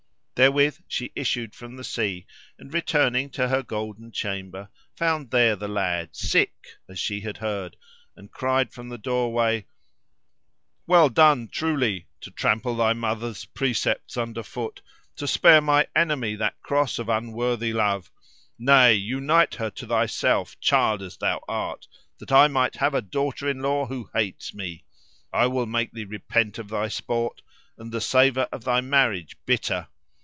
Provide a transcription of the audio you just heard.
Therewith she issued from the sea, and returning to her golden chamber, found there the lad, sick, as she had heard, and cried from the doorway, "Well done, truly! to trample thy mother's precepts under foot, to spare my enemy that cross of an unworthy love; nay, unite her to thyself, child as thou art, that I might have a daughter in law who hates me! I will make thee repent of thy sport, and the savour of thy marriage bitter.